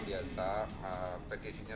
di atas petisinya